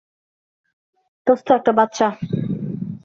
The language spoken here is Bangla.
দোস্ত, একটা বাচ্চা!